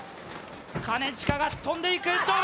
兼近が跳んでいくどうだ！